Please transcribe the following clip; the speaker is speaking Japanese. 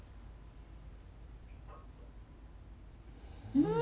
うん。